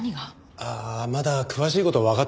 ああまだ詳しい事はわかってないんですよ。